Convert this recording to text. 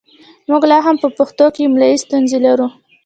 موږ لا هم په پښتو کې املايي ستونزې لرو